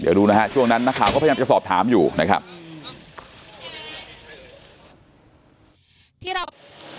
เดี๋ยวดูนะฮะช่วงนั้นนักข่าวก็พยายามจะสอบถามอยู่นะครับอืมที่เรา